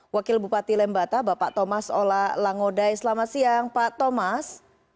wakil bupati lembata bapak thomas ola langoday selamat siang pak thomas